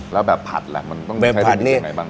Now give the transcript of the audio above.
แล้วแบบผัดแหละมันต้องใช้สิ่งที่ไหนบ้าง